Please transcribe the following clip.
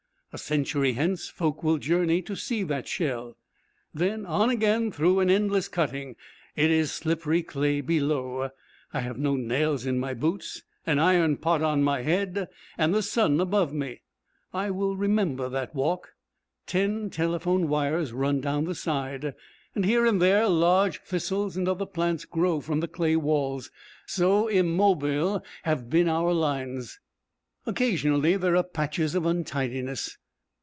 A century hence folk will journey to see that shell. Then on again through an endless cutting. It is slippery clay below. I have no nails in my boots, an iron pot on my head, and the sun above me. I will remember that walk. Ten telephone wires run down the side. Here and there large thistles and other plants grow from the clay walls, so immobile have been our lines. Occasionally there are patches of untidiness.